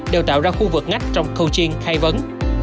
đều tạo ra khu vực ngắt trong coaching khai vấn